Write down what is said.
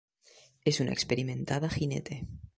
Es una experimentada jinete.